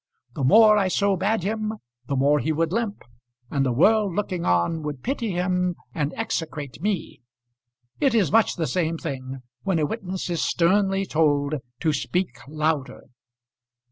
The more I so bade him, the more he would limp; and the world looking on, would pity him and execrate me. It is much the same thing when a witness is sternly told to speak louder.